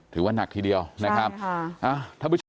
ถือว่านักทีเดียวนะครับถ้าบุชาติ